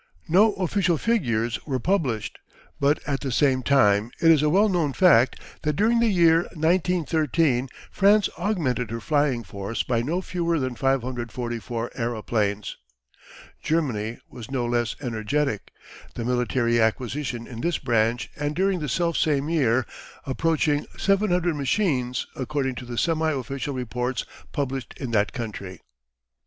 No official figures were published. But at the same time it is a well known fact that during the year 1913 France augmented her flying force by no fewer than 544 aeroplanes. Germany was no less energetic, the military acquisition in this branch, and during the self same year, approaching 700 machines according to the semi official reports published in that country.